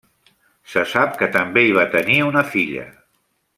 Se sap que també hi va tenir una filla.